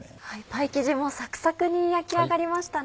パイ生地もサクサクに焼き上がりましたね。